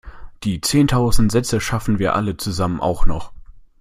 Die zehntausend Sätze schaffen wir alle zusammen auch noch!